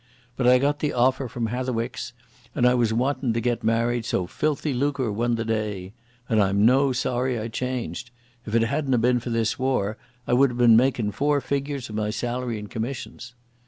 But I got the offer from Hatherwick's, and I was wantin' to get married, so filthy lucre won the day. And I'm no sorry I changed. If it hadna been for this war, I would have been makin' four figures with my salary and commissions....